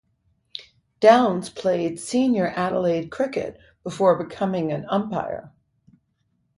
Downs played senior Adelaide cricket before becoming an umpire.